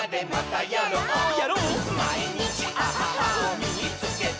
「まいにちアハハをみいつけた！」